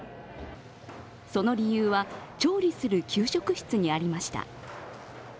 その理由は、調理する給食室にありました。